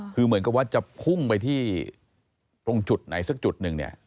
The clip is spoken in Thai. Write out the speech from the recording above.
คือเหมือนกับว่าจะพุ่งไปที่ตรงจุดไหนสักจุดหนึ่งเนี่ย